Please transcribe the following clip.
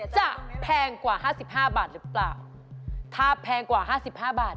จะแพงกว่า๕๕บาทหรือเปล่า